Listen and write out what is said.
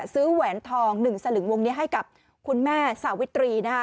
แหวนทอง๑สลึงวงนี้ให้กับคุณแม่สาวิตรีนะคะ